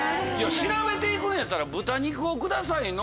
調べて行くんやったら「豚肉を下さい」の。